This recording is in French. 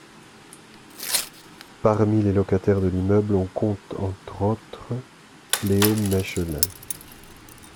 Parmi les locataires de l'immeuble on compte entre autres Leo Mechelin.